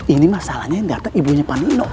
ini masalahnya yang datang ibunya pak nino